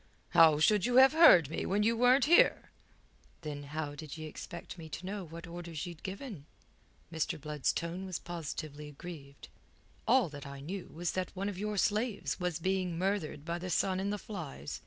How should you have heard me when you weren't here?" "Then how did ye expect me to know what orders ye'd given?" Mr. Blood's tone was positively aggrieved. "All that I knew was that one of your slaves was being murthered by the sun and the flies.